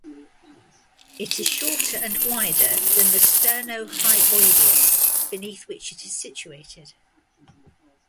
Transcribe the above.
It is shorter and wider than the sternohyoideus, beneath which it is situated.